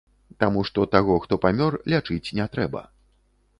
Таму што таго, хто памёр, лячыць не трэба.